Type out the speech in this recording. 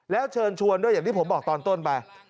แล้วเชิญชวนด้วยอย่างที่ผมบอกตอนต้นไป